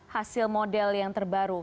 hasil model yang terbaru